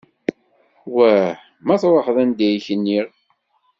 Wah ma truḥeḍ anda i k-nniɣ?